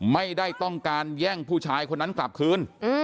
ไม่ได้ต้องการแย่งผู้ชายคนนั้นกลับคืน